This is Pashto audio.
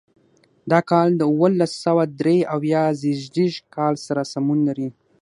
دا کال د اوولس سوه درې اویا زېږدیز کال سره سمون لري.